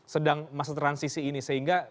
sedang masa transisi ini sehingga